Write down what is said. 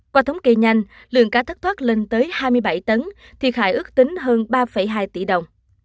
qua thống kê nhanh lượng cá thất thoát lên tới hai mươi bảy tấn thiệt hại ước tính hơn ba hai tỷ đồng